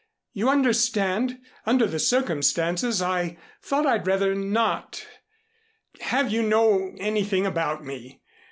You understand under the circumstances, I thought I'd rather not have you know anything about me.